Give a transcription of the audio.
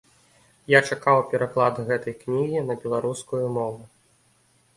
Я чакаў пераклад гэтай кнігі на беларускую мову.